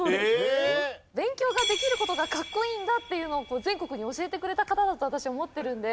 勉強ができる事がかっこいいんだっていうのを全国に教えてくれた方だと私は思ってるので。